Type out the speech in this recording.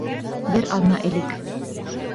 Бер аҙна элек.